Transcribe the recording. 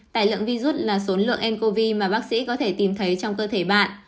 tài lượng virus là số lượng ncov mà bác sĩ có thể tìm thấy trong cơ thể bạn